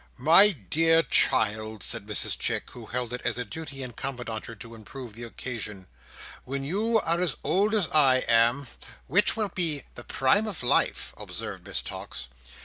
"My dear child," said Mrs Chick, who held it as a duty incumbent on her, to improve the occasion, "when you are as old as I am—" "Which will be the prime of life," observed Miss Tox.